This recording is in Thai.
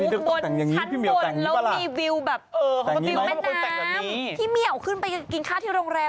นี่เขากินข้าวดินเนอร์หรูบนชั้นบนแล้วมีวิวแบบแม่น้ำพี่เมียวขึ้นไปกินข้าวที่โรงแรม